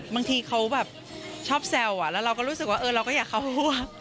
บางทีเขาแบบชอบแซวแล้วเราก็รู้สึกว่าเราก็อยากเข้าพวก